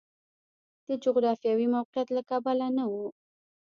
د جغرافیوي موقعیت له کبله نه و.